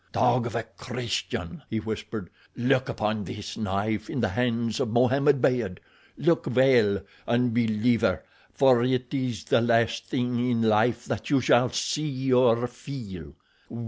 "Dog of a Christian," he whispered, "look upon this knife in the hands of Mohammed Beyd! Look well, unbeliever, for it is the last thing in life that you shall see or feel.